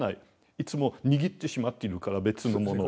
いつも握ってしまっているから別のものを。